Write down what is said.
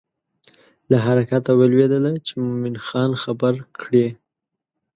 له حرکته ولوېدله چې مومن خان خبر کړي.